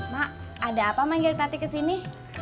mak ada apa manggil tati ke sini